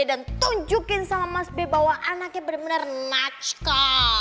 dan tunjukin sama mas b bahwa anaknya bener bener natschka